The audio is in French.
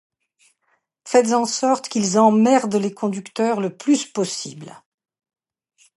Faire en sorte qu'ils emmerdent les conducteurs le plus possible.